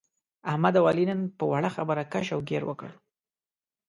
احمد او علي نن په وړه خبره کش او ګیر وکړ.